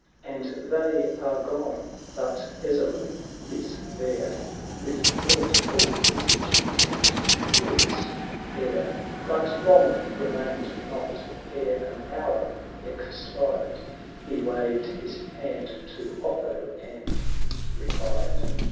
.\nd they are gone — but Ezzelin is there, With thoughtful visage and imperious air: But long remained not; ere an hour expired He waved his hand to Otho, and retired.